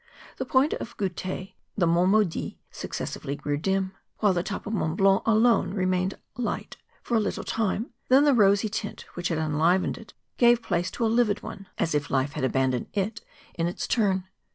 The point of Groute, the Monts Maudits, successively grew dim ; while the top of Mont Blanc alone remained light for a little time; then the rosy tint which had en¬ livened it gave place also to a livid one, as if life had abandoned it in its turn.